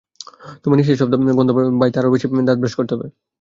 তোমার নিঃশ্বাসের গন্ধ, ভাই, আরও বেশি দাঁত ব্রাশ করতে হবে।